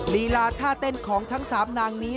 ลีลาท่าเต้นของทั้ง๓นางนี้